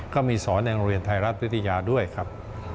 ก็มีสอนในโรงเรียนไทยรัฐวิทยาด้วยครับ